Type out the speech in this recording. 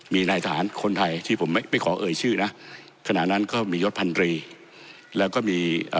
มีนายฐานคนไทยที่ผมไม่ได้ขอเอ่ยชื่อนะขณะนั้นก็มียฎพันธุ์รี